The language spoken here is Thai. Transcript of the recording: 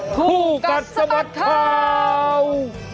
ผู้กัดสบัดข่าว